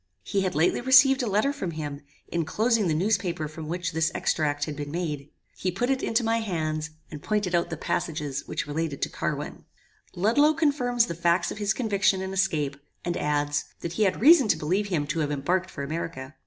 He had lately received a letter from him, enclosing the newspaper from which this extract had been made. He put it into my hands, and pointed out the passages which related to Carwin. "Ludloe confirms the facts of his conviction and escape; and adds, that he had reason to believe him to have embarked for America.